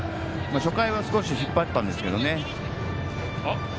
初回は少し引っ張ったんですけどね。